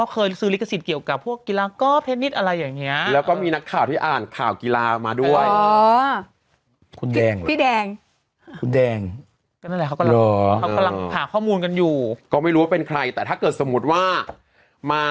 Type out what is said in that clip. ก็ถือว่าเป็นเจ๊ใหญ่แบบว่าเป็นผู้ผู้การอ้อนตั้งแต่แรก